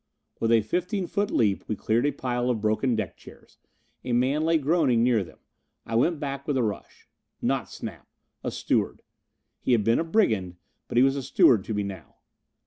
With a fifteen foot leap we cleared a pile of broken deck chairs. A man lay groaning near them. I went back with a rush. Not Snap! A steward. He had been a brigand, but he was a steward to me now.